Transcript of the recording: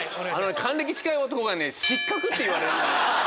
還暦近い男がね「失格」って言われるのね